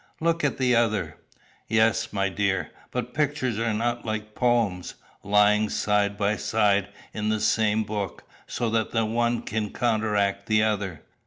Look at the other." "Yes, my dear. But pictures are not like poems, lying side by side in the same book, so that the one can counteract the other.